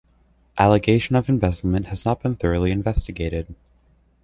Allegation of embezzlement has not been thoroughly investigated.